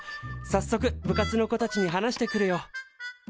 さっそく部活の子たちに話してくるよ。